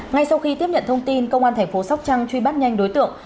ngay sau khi tiếp nhận thông tin công an thành phố sóc trăng truy bắt nhanh đối tượng